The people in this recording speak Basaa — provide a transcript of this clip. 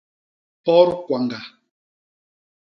Pot kwañga.